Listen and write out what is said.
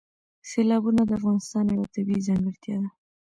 سیلابونه د افغانستان یوه طبیعي ځانګړتیا ده.